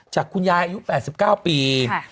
จากคุณยายอายุ๘๙ปี